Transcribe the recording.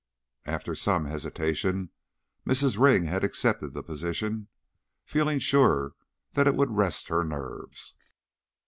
After some hesitation, Mrs. Ring had accepted the position, feeling sure that it would rest her nerves.